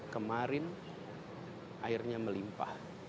kemarin airnya melimpah